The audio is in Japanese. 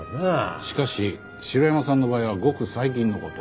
しかし城山さんの場合はごく最近の事。